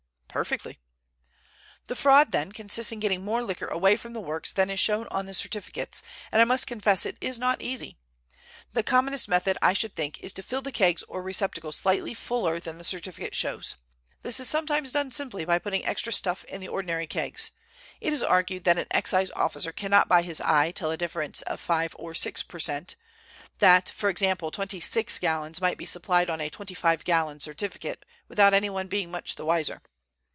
"Perfectly." "The fraud, then, consists in getting more liquor away from the works than is shown on the certificates, and I must confess it is not easy. The commonest method, I should think, is to fill the kegs or receptacles slightly fuller than the certificate shows. This is sometimes done simply by putting extra stuff in the ordinary kegs. It is argued that an Excise officer cannot by his eye tell a difference of five or six per cent; that, for example, twenty six gallons might be supplied on a twenty five gallon certificate without anyone being much the wiser.